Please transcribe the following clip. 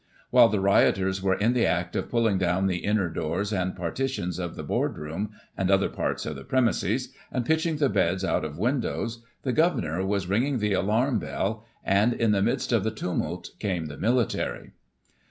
While the rioters were in the act of pulling down the inner doors and partitions of the Board Room, and other parts of the premises, and pitching the beds out of windows, the governor was ringing the alarm bell ; and, in the midst of the tumult, came the military.